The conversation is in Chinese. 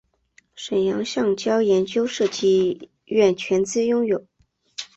沈阳橡胶研究设计院全资拥有。